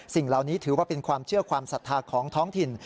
สิ่งเหล่านี้ถือว่าเป็นความเชื่อความศรัทธาของท้องถิ่น